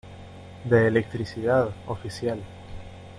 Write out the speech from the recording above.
de electricidad, oficial.